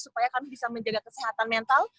supaya kami bisa menjaga kesehatan mental